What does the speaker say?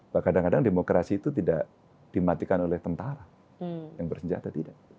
bahwa kadang kadang demokrasi itu tidak dimatikan oleh tentara yang bersenjata tidak